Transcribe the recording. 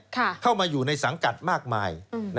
เข้ามาอยู่ในสังกัดมากมาย